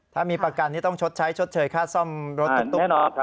ถ้ามีประกันนี้ต้องชดใช้ชดเชยค่าซ่อมรถตุ๊ก